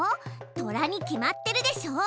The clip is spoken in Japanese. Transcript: トラに決まってるでしょう。